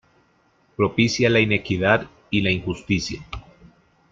Propicia la inequidad y la injusticia.